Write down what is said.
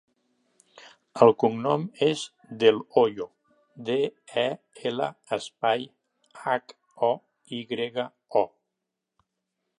El cognom és Del Hoyo: de, e, ela, espai, hac, o, i grega, o.